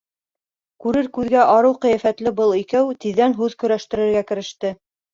Күрер күҙгә арыу ҡиәфәтле был икәү тиҙҙән һүҙ көрәштерергә кереште.